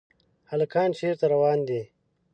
هلکان چېرته روان دي ؟